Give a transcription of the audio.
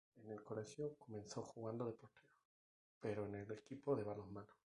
En el colegio comenzó jugando de portero, pero en el equipo de balonmano.